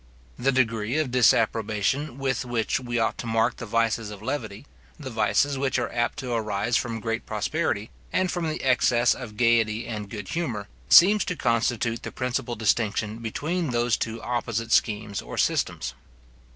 The degree of disapprobation with which we ought to mark the vices of levity, the vices which are apt to arise from great prosperity, and from the excess of gaiety and good humour, seems to constitute the principal distinction between those two opposite schemes or systems.